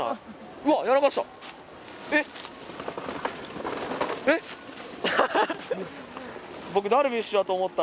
うわっ、やらかした。